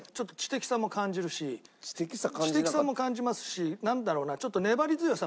知的さも感じますしなんだろうなちょっと。